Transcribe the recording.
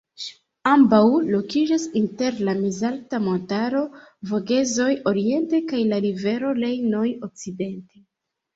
Ambaŭ lokiĝas inter la mezalta montaro Vogezoj oriente kaj la rivero Rejno okcidente.